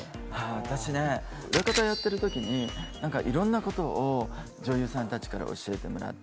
私ね裏方やってる時にいろんなことを女優さんたちから教えてもらって。